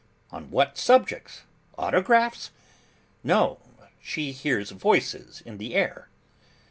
'On what subject? Autographs?' 'No. She hears voices in the air.